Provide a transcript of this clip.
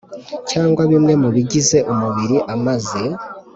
Cyangwa bimwe mu bigize umubiri amaze